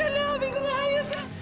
aduh aby kemahir